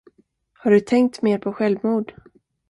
Har du tänkt mer på självmord?